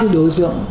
hai đối xưởng